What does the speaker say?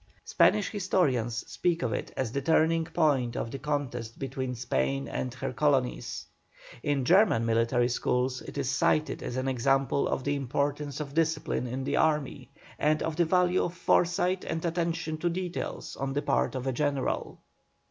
Spanish historians speak of it as the turning point of the contest between Spain and her colonies. In German military schools it is cited as an example of the importance of discipline in an army, and of the value of foresight and attention to details on the part of a general.